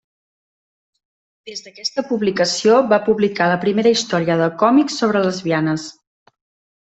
Des d'aquesta publicació va publicar la primera història de còmics sobre lesbianes.